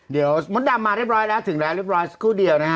เดี๋ยวมดดำมาเรียบร้อยแล้วถึงแล้วเรียบร้อยสักครู่เดียวนะฮะ